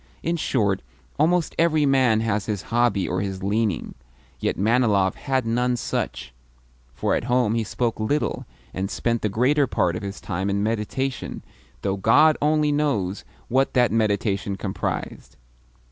In short, almost every man has his hobby or his leaning; yet Manilov had none such, for at home he spoke little, and spent the greater part of his time in meditation though God only knows what that meditation comprised!